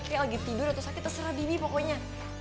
kayak lagi tidur atau sakit terserah bibi pokoknya